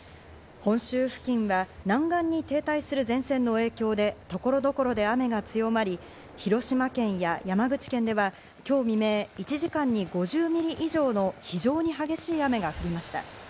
本州付近は南岸に停滞する前線の影響で、所々で雨が強まり、広島県や山口県では今日未明、１時間に５０ミリ以上の非常に激しい雨が降りました。